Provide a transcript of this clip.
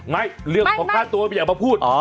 ไม่เรื่องของค่าตัวไม่อยากมาพูด